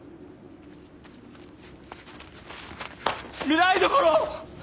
御台所！